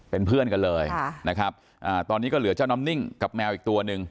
เป็นเพื่อนกันเลยนะครับตอนนี้ก็เหลือเจ้าน้ำนิ่งกับแมวอีกตัวหนึ่ง